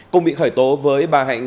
cùng bị khởi tố với bà hạnh